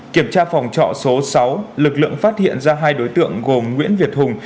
kiểm tra phòng trọ số sáu lực lượng phát hiện ra hai đối tượng gồm nguyễn việt hùng